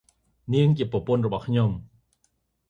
នាងជាប្រពន្ធរបស់ខ្ញុំ។